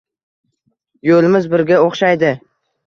Yo'limiz birga o'xshaydi.